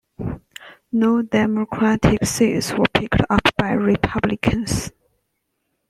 No Democratic seats were picked up by Republicans.